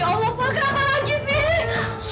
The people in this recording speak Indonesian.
ya allah pak kenapa lagi sih